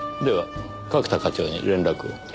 では角田課長に連絡を。